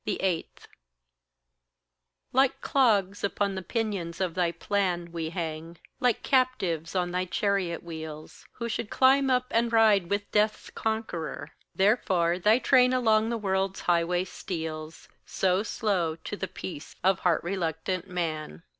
8. Like clogs upon the pinions of thy plan We hang like captives on thy chariot wheels, Who should climb up and ride with Death's conqueror; Therefore thy train along the world's highway steals So slow to the peace of heart reluctant man.